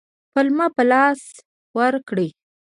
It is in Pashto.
پلمه په لاس ورکړي.